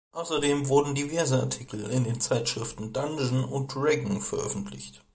Außerdem wurden diverse Artikel in den Zeitschriften „Dungeon“ und „Dragon veröffentlicht“.